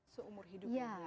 seumur hidup ya